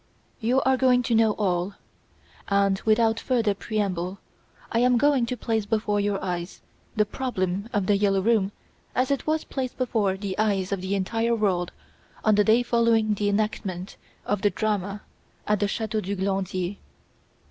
You are going to know all; and, without further preamble, I am going to place before your eyes the problem of "The Yellow Room" as it was placed before the eyes of the entire world on the day following the enactment of the drama at the Chateau du Glandier.